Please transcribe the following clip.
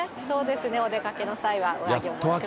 お出かけの際は上着お持ちください。